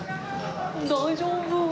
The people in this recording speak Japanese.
大丈夫ー！